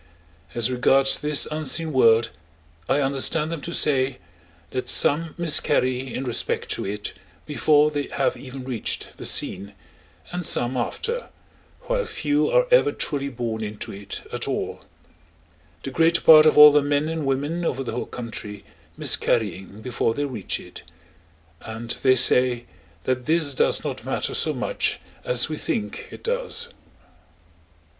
As regards this unseen world I understand them to say that some miscarry in respect to it before they have even reached the seen, and some after, while few are ever truly born into it at all—the greater part of all the men and women over the whole country miscarrying before they reach it. And they say that this does not matter so much as we think it does.